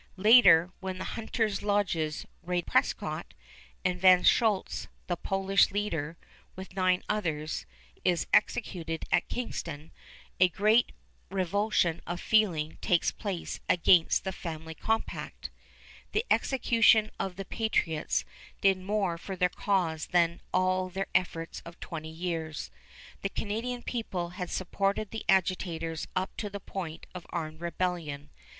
Later, when "the Hunters' Lodges" raid Prescott, and Van Shoultz, the Polish leader, with nine others, is executed at Kingston, a great revulsion of feeling takes place against the family compact. The execution of the patriots did more for their cause than all their efforts of twenty years. The Canadian people had supported the agitators up to the point of armed rebellion.